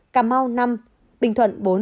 cà mau năm bình thuận bốn